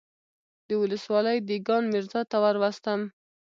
د ولسوالۍ دېګان ميرزا ته وروستم.